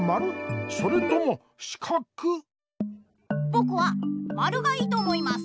ぼくは「まる」がいいと思います。